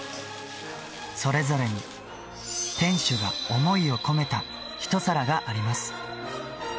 それぞれに、店主が想いを込めた一皿があります。